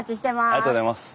ありがとうございます。